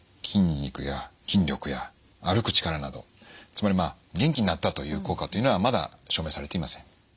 筋肉や筋力や歩く力などつまりまあ元気になったという効果っていうのはまだ証明されていません。